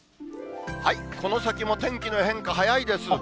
この先も天気の変化、早いです。